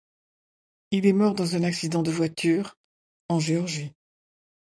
Il est mort dans un accident de voiture en Géorgie.